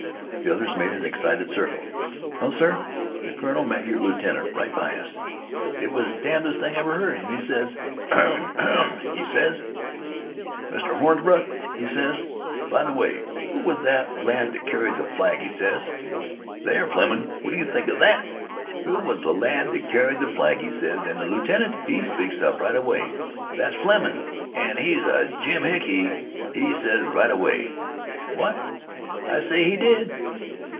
The others made an excited circle. "Well, sir, th' colonel met your lieutenant right by us it was damnedest thing I ever heard an' he ses: 'Ahem! ahem!' he ses. 'Mr. Hasbrouck!' he ses, 'by th' way, who was that lad what carried th' flag?' he ses. There, Flemin', what d' yeh think 'a that? 'Who was th' lad what carried th' flag?' he ses, an' th' lieutenant, he speaks up right away: 'That's Flemin', an' he's a jimhickey,' he ses, right away. What? I say he did.